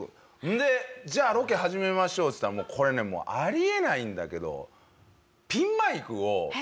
でじゃあロケ始めましょうっつったらこれねもうあり得ないんだけど。